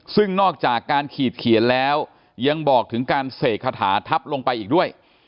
ซึ่งนอกจากการขีดเขียนแล้วยังบอกถึงการเสกคาถาทับลงไปอีกด้วย